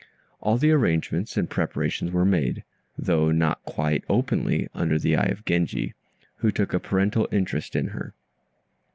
All the arrangements and preparations were made, though not quite openly, under the eye of Genji, who took a parental interest in her.